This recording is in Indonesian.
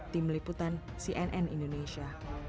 tim liputan cnn indonesia